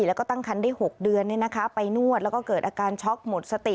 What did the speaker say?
แล้วก็ตั้งคันได้๖เดือนไปนวดแล้วก็เกิดอาการช็อกหมดสติ